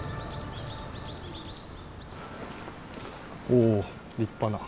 おお立派な。